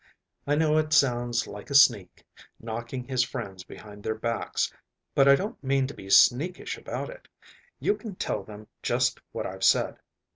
I know it sounds like a sneak, knocking his friends behind their backs, but I don't mean to be sneakish about it. You can tell them just what I've said.